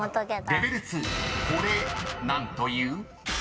［ＬＥＶＥＬ．２これ何という？］